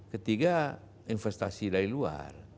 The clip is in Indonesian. ketiga investasi dari luar